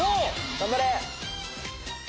頑張れ！